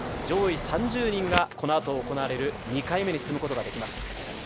上位３０人がこのあと行われる２回目に進むことができます。